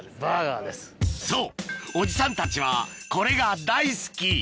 そうおじさんたちはこれが大好き！